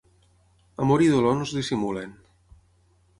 Amor i dolor no es dissimulen.